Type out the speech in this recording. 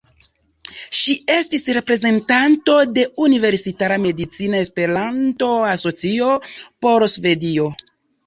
Ŝi estis reprezentanto de Universala Medicina Esperanto-Asocio por Svedio.